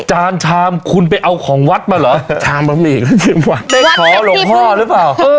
จานชามคุณไปเอาของวัดมาเหรอชามบะหมี่ก็ดีกว่าไปขอหลวงพ่อหรือเปล่า